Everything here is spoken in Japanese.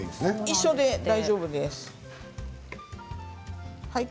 一緒で大丈夫です。